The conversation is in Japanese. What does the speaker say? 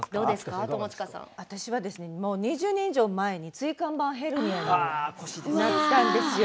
私は、２０年以上前に椎間板ヘルニアになったんですよ。